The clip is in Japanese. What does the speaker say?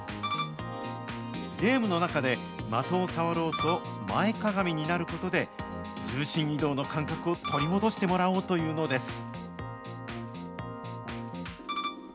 ゲームの中で的を触ろうと前かがみになることで、重心移動の感覚を取り戻してもらおうというのです。